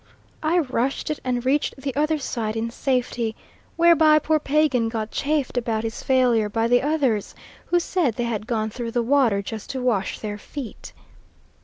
I rushed it, and reached the other side in safety, whereby poor Pagan got chaffed about his failure by the others, who said they had gone through the water just to wash their feet.